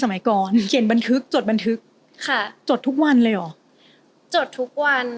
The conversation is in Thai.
สมัยก่อนเขียนบันทึกจดบันทึกค่ะจดทุกวันเลยเหรอจดทุกวัน